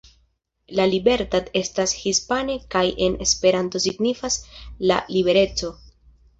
La Libertad estas hispane kaj en Esperanto signifas "La libereco".